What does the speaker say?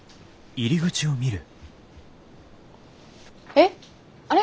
えっあれ？